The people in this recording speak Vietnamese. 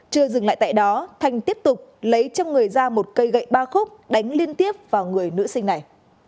chưa dừng lại tại đó thành tiếp tục lấy trong người ra một cây gậy ba khúc đánh liên tiếp vào người nữ sinh này